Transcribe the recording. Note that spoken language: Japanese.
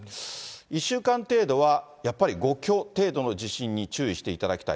１週間程度はやっぱり５強程度の地震に注意していただきたい。